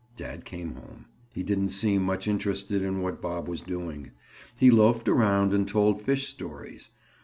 Dad came home. He didn't seem much interested in what Bob was doing. He loafed around and told fish stories.